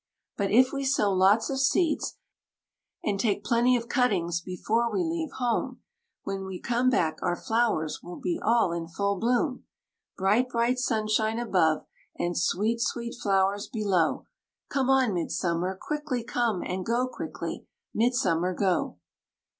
But if we sow lots of seeds, and take plenty of cuttings before we leave home, When we come back, our flowers will be all in full bloom, Bright, bright sunshine above, and sweet, sweet flowers below. Come, oh Midsummer, quickly come! and go quickly, Midsummer, go!